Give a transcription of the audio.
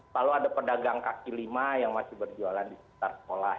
lalu ada pedagang kaki lima yang masih berjualan di sekitar sekolah